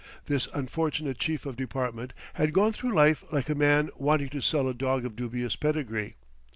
This unfortunate chief of department had gone through life like a man wanting to sell a dog of dubious pedigree.